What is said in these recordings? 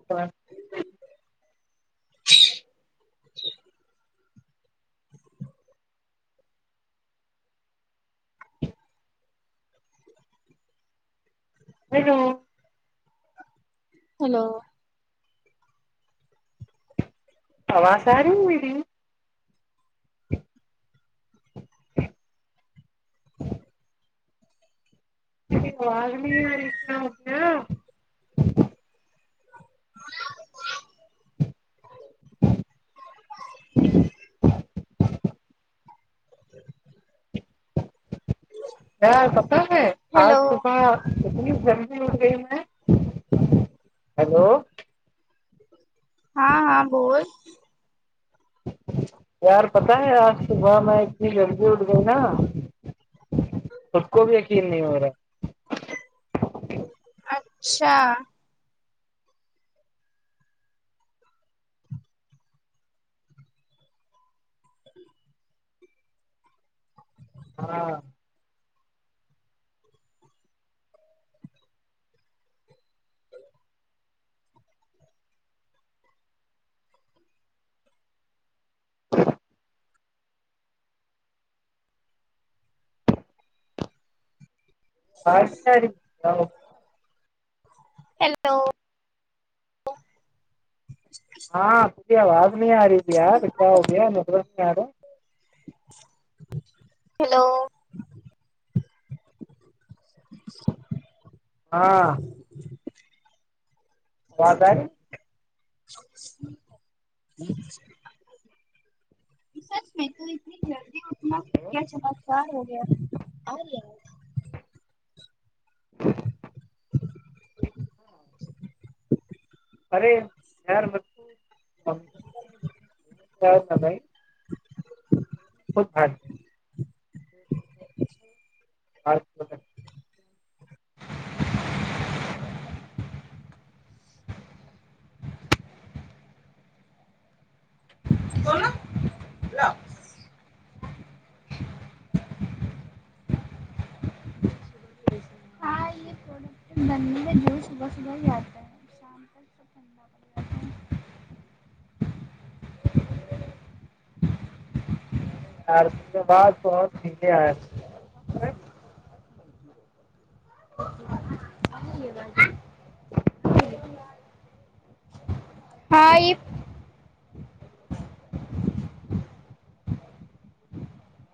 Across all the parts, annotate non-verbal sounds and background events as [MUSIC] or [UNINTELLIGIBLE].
[UNINTELLIGIBLE] [UNINTELLIGIBLE] hello hello اواز ارہی ہے میری اواز نہیں ارہی [UNINTELLIGIBLE] [INAUDIBLE] یار پتہ ہے آج ہیلو صبح اتنی جلدی ہو گئی ہے ہیلو ہاں ہاں بول یار پتہ ہے آج صبح میں اتنی جلدی اٹھ گئی نا سب کو بھی یقین نہیں ہو رہا اچھا ہاں [UNINTELLIGIBLE] ہیلو ہاںھی آواز نہیں [UNINTELLIGIBLE] ہیلو ہاں آواز ارہی سچ میں تو اتنی جلدی ہیلو [UNINTELLIGIBLE] ارے [UNINTELLIGIBLE] بھگ لاگے گئی آج بولو ہاں یہ [UNINTELLIGIBLE] جو صبح صبح بی آتا ہے شام تک سب ٹھنڈا پڑ چار دن کے بعد بہت [UNINTELLIGIBLE] جاتا ہے [UNINTELLIGIBLE]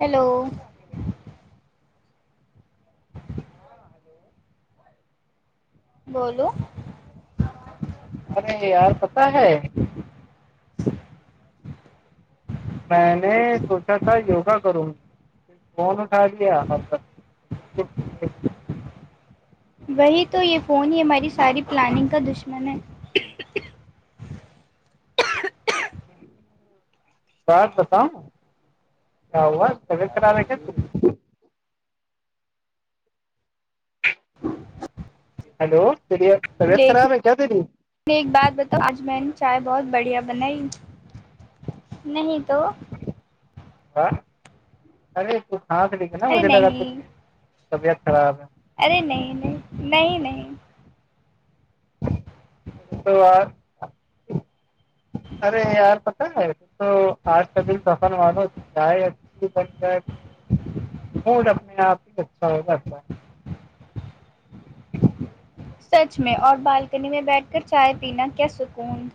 ہیلو [UNINTELLIGIBLE] بولو ارے یار پتہ ہے میں نے سوچا تھا یوگا کروں [UNINTELLIGIBLE] فون وہی تو یہ فون ہی ہماری ساری پلاننگ کا دشمن ہے بات بتاؤں کیا ہوا طبیعت خراب ہے ہیلو تیریت طبیعت خراب ہے کیا تیری میں ایک بات بتاوں آج میں نے چائے بہت بڑھیا بنائی نہیں تو [UNINTELLIGIBLE] ارے نہیں طبیعت خراب ہے ارے نہیں نہیں نہیں نہیں تو ار ارے یار پتہ ہے تو آج کا دن سفر والو [UNINTELLIGIBLE] اپنے آپ ہی اچھا ہوگا سچ میں اور بالکنی میں بیٹھ کر چائے پینا کیا سکون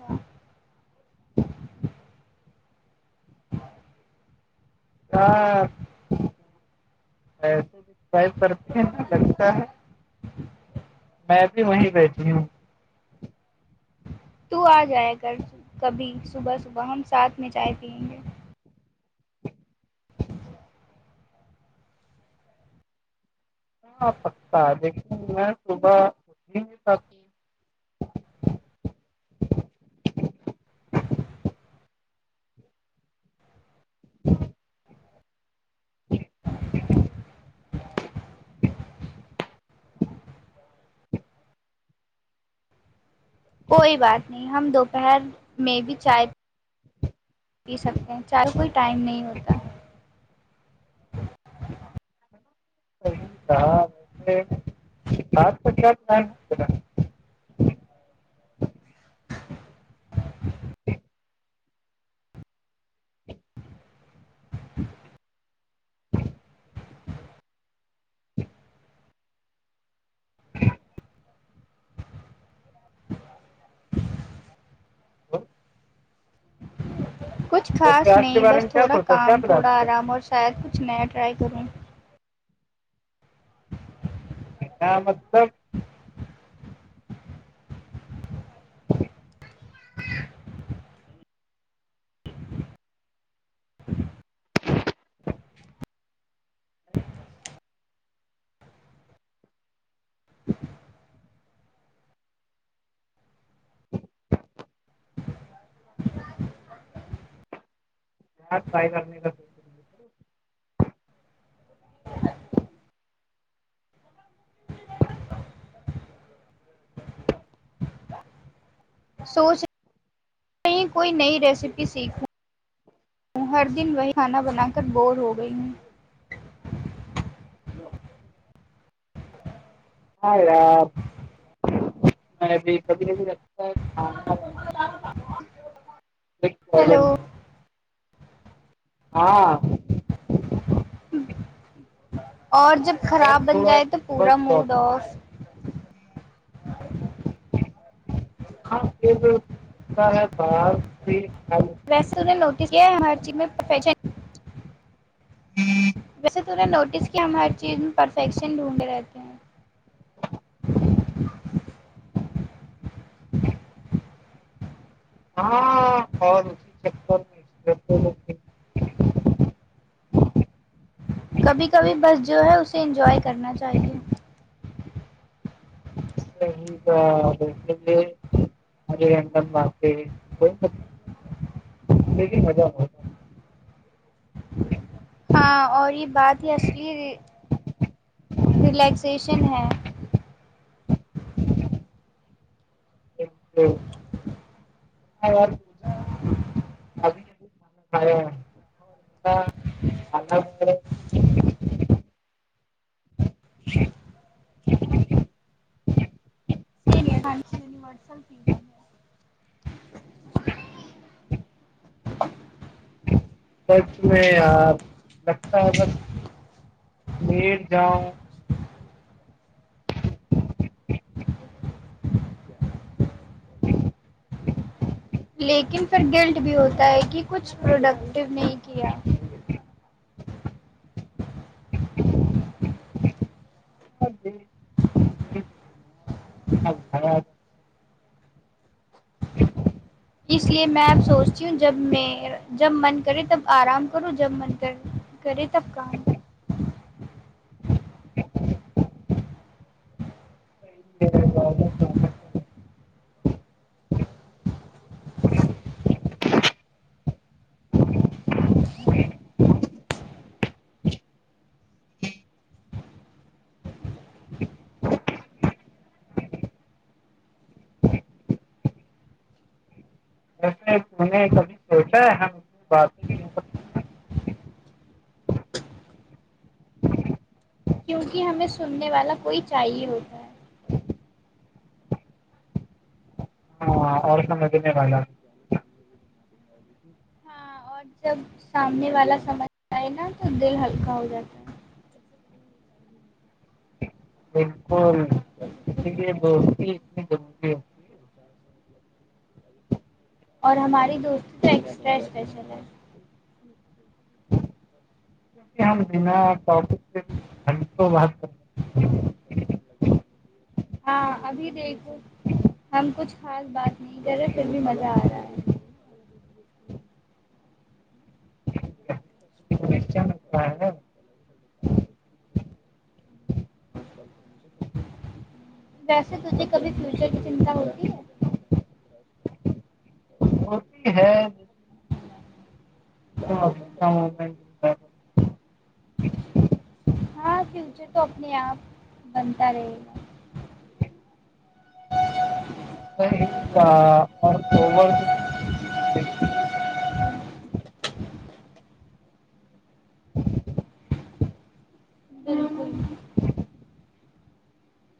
ہاں [UNINTELLIGIBLE] تو آ جائے کر کبھی صبح صبح ہم ساتھ میں چائے پیئیے گے [UNINTELLIGIBLE] کوئی بات نہیں ہم دوپہر میں بھی چائے پی سکتے چاہے کوئی ٹائم نہیں ہوتا [UNINTELLIGIBLE] [INAUDIBLE] [UNINTELLIGIBLE] کچھ ویسے خاص آج کے نہیں بارے بس میں کیا تھوڑا سوچا کیا کام پلان تھوڑا ہے تیرا آرام اور شاید کچھ نیا ٹرائی کروں کیا مطلب [INAUDIBLE] [UNINTELLIGIBLE] [INAUDIBLE] سوچ کوئی نئی ریسیپی سیکھوں ہر دن وہی کھانا بنا کر بور ہو گئی ہوں ہائے یار میں ابھی کھی بھی لگتا ہے کی ہیلو [INAUDIBLE] ہاں اور جب یار خراب بن تھوڑا جائے تو پورا نیٹورک موڈ پرابلم آ رہی اوف ہے ہاں پتا ہے [UNINTELLIGIBLE] ویسے تو نے نوٹس کیا ہے ہر چیز میں فیشن جی ویسے توہ نے نوٹس کیا ہم ہر چیز میں پرفیکشن ڈھونڈے رہتے ہیں ہاں اور اسی چکر میں کبھی کبھی بس جو ہے اسے انجوائے کرنا چاہیے صحیح تھا بلکل بھی مے ایک دم واقی کو م دیک مزہ بہت آتا ہاں اور یہ بات ہی اصلی ریلیکسیشن ہے [INAUDIBLE] [UNINTELLIGIBLE] [UNINTELLIGIBLE] ا، یکچویلی میں یار لگتا ہے بس میر جاؤں [INAUDIBLE] [INAUDIBLE] ہے، لیکن پھر گلٹ بھی ہوتا ہے کہ کچھ پروڈکٹو نہیں کیا [UNINTELLIGIBLE] [UNINTELLIGIBLE] اس لیے میں اب سوچتی ہوں جب میں جب من کرے تب آرام کروں جب من کر کرے تب کام [UNINTELLIGIBLE] [UNINTELLIGIBLE] [UNINTELLIGIBLE] [UNINTELLIGIBLE] ہیں کیوںکہ ہمیں سننے والا کوئی چاہیے ہوتا ہے ہاں اور سب مزنے میں والا ہاں اور جب سامنے والا سمجھ آ ہے نا تو دل ہلکا ہو جاتا ہے بالکل اسی لیے دوستی اتنی موری ہوتی ہے اور ہماری دوست تو ایکسٹرا اسشل ہے [UNINTELLIGIBLE] ہاں ابھی دیکھو ہم کچھ خاص بات نہیں کر رہے پھر بھی مزہ آ رہا ہے [UNINTELLIGIBLE] ویسے تھے کبھی فیوچر کی چنتا ہوتی ہے ہوتی ہے ب ہا بیہ ہاں فیوچر تو اپنے آپ بنتا رہے گا اور اوور اچھا بلکل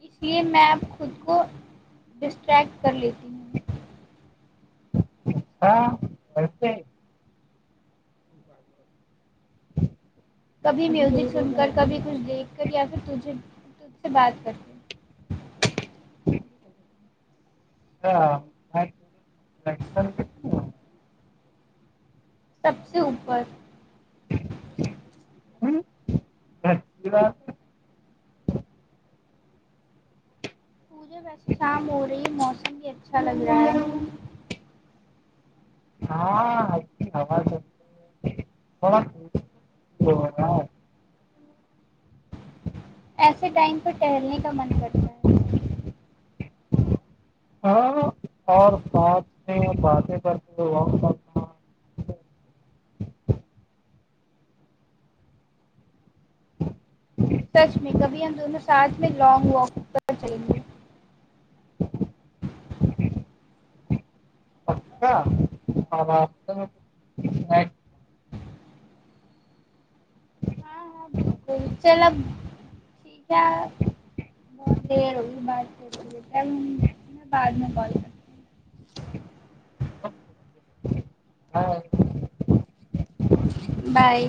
اس لیے میں آپ خود کو ڈسٹریکٹ کر لیتی ہوں ہاں کرتے کبھی میوزک سن کر کبھی کچھ دیکھ کر یا پھر تجھے تجھ سے بات کر کے ہاں ل [UNINTELLIGIBLE] سب سے اوپر ج ج ویسے شام ہو رہی ہے موسم بھی اچھا لگ رہا ہے ہاں ہاں سب رہا ہے ایسے ٹائم پ ٹہلنے کا من کرتا ہے ہا نہیں بسے پرس تو بت سچ میں کبھی ہم دونوں ساتھ میں لانگ واک کر چلیں گے ہاں ہ ہاں [UNINTELLIGIBLE] چلو ٹھیک ہے بہت دیر ہوگئی بات کر کے لی میں بعد میں کال کر اسنیکس بائے